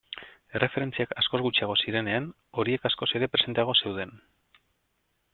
Erreferentziak askoz gutxiago zirenean, horiek askoz ere presenteago zeuden.